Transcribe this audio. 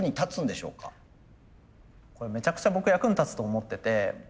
これめちゃくちゃ僕役に立つと思ってて。